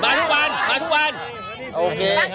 มาทุกวันมาทุกวัน